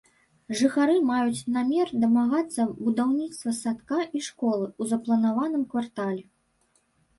Жыхары маюць намер дамагацца будаўніцтва садка і школы ў запланаваным квартале.